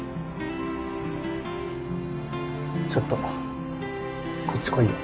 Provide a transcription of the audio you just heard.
ちょっとこっち来いよ